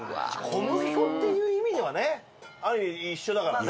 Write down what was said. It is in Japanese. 小麦粉っていう意味ではねある意味一緒だからね。